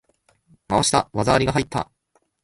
回した！技ありが入った！